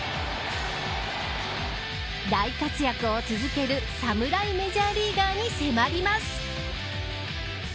大活躍を続ける侍メジャーリーガーに迫ります。